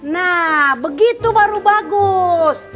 nah begitu baru bagus